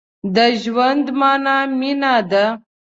د ژوند مانا مينه ده.